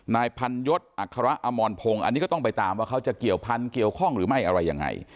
นายพันยศอัคระอมรพงศ์อันนี้ก็ต้องไปตามว่าเขาจะเกี่ยวพันธุเกี่ยวข้องหรือไม่อะไรยังไง